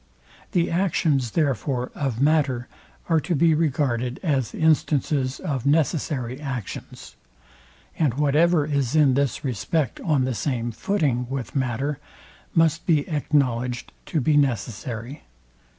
The actions, therefore, of matter are to be regarded as instances of necessary actions; and whatever is in this respect on the same footing with matter, must be acknowledged to be necessary.